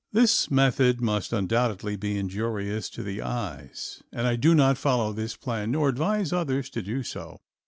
This method must undoubtedly be injurious to the eyes and I do not follow this plan nor advise others to do so.